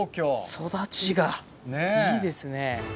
育ちがいいですね。